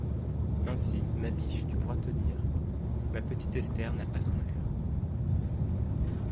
Ainsi, ma biche, tu pourras te dire :« Ma petite Esther n’a pas souffert…